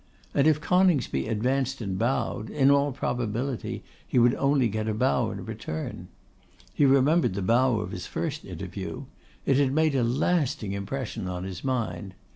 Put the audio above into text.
And if Coningsby advanced and bowed, in all probability he would only get a bow in return. He remembered the bow of his first interview. It had made a lasting impression on his mind.